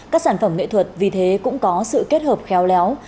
các sản phẩm nghệ thuật vì thế cũng có sự kết hợp khéo léo